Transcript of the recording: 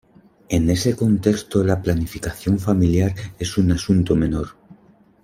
En ese contexto la planificación familiar es un asunto menor.